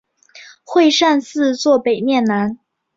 会善寺坐北面南。